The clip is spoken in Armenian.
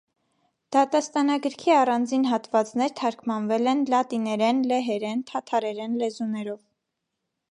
Դատաստանագրքի առանձին հատվածներ թարգմանվել են լատիներեն, լեհերեն, թաթարերեն լեզուներով։